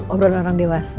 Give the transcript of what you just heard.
obrol orang dewasa